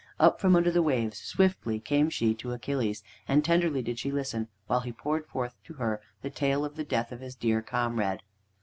Up from under the waves swiftly came she to Achilles, and tenderly did she listen while he poured forth to her the tale of the death of his dear comrade.